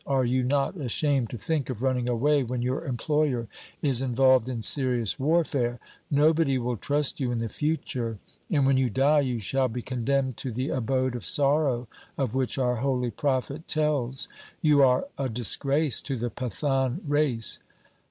Are you not ashamed to think of running away when your employer is involved in serious warfare ? No body will trust you in the future ; and when you die, you shall be condemned to the abode of sorrow of which our holy prophet tells. You are a disgrace to the Pathan race.'